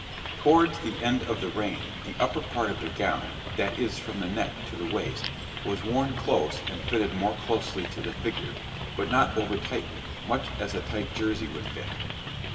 a type of neckline}] Towards the end of the reign the upper part of the gown that is, from the neck to the waist was worn close and fitted more closely to the figure, but not over tightly much as a tight jersey would fit.